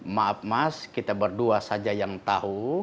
maaf mas kita berdua saja yang tahu